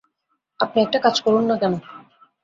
আপনি একটা কাজ করুন না কেন?